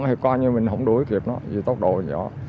thì coi như mình không đuổi kịp nó vì tốc độ giỏ